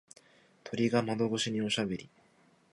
鳥が窓越しにおしゃべり。